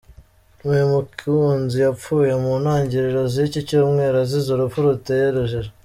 Me Mukunzi yapfuye mu ntangiriro z’iki cyumweru azize urupfu ruteye urujijo.